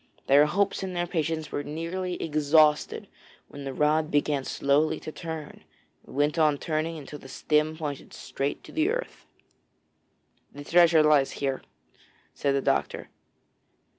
Their hopes and their patience were nearly exhausted when the rod began slowly to turn, and went on turning until the stem pointed straight to the earth. 'The treasure lies here,' said the doctor.